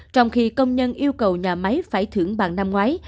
trong khi công nhân yêu cầu nhà máy phải thưởng bằng năm ngoái